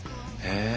へえ。